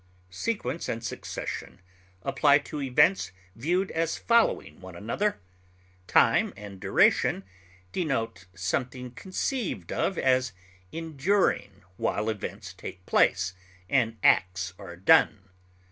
Sequence and succession apply to events viewed as following one another; time and duration denote something conceived of as enduring while events take place and acts are done.